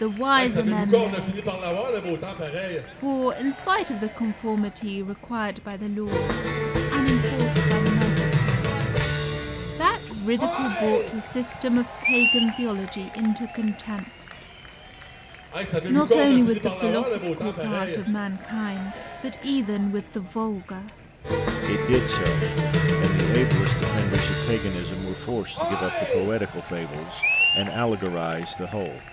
Rabelais. The wiser men they; for, in spite of the conformity required by the laws and enforced by the magistrate, that ridicule brought the system of pagan theology into contempt, not only with the philosophical part of mankind, but even with the vulgar. Lucian. It did so, and the ablest defenders of paganism were forced to give up the poetical fables and allegorise the whole.